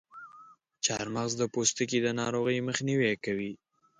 چارمغز د پوستکي د ناروغیو مخنیوی کوي.